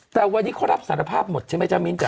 แต่วันนี้เขารับสารภาพหมดใช่ไหมจ๊ะมิ้นจ้